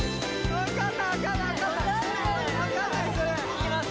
いきます